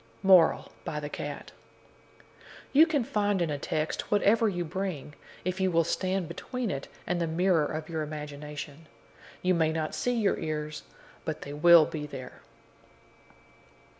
MORAL, BY THE CAT You can find in a text whatever you bring, if you will stand between it and the mirror of your imagination. You may not see your ears, but they will be there.